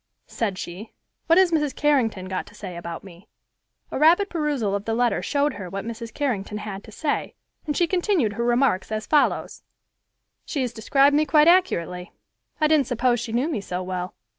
said she, "what has Mrs. Carrington got to say about me." A rapid perusal of the letter showed her what Mrs. Carrington had to say, and she continued her remarks as follows: "She has described me quite accurately. I didn't suppose she knew me so well.